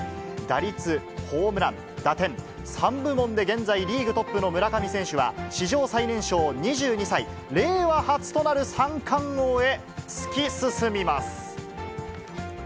打率、ホームラン、打点、３部門で現在リーグトップの村上選手は、史上最年少２２歳、令和初となる三冠王へ、突き進みます。